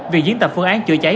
việc diễn tập phương án chữa cháy